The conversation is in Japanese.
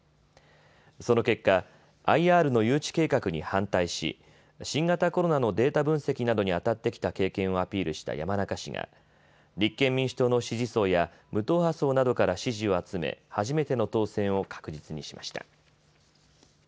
その結果、ＩＲの誘致計画に反対し新型コロナのデータ分析などにあたってきた経験をアピールした山中氏が立憲民主党の支持層や無党派層などから支持を集め初めての当選を確実にしました。